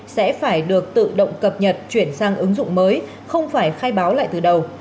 sẽ phải được tự động cập nhật chuyển sang ứng dụng mới không phải khai báo lại từ đầu